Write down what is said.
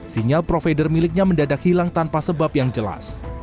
sinyal provider miliknya mendadak hilang tanpa sebab yang jelas